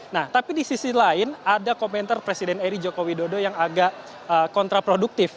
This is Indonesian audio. nah tapi di sisi lain ada komentar presiden eri joko widodo yang agak kontraproduktif